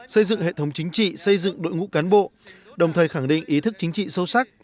xây dựng hệ thống chính trị xây dựng đội ngũ cán bộ đồng thời khẳng định ý thức chính trị sâu sắc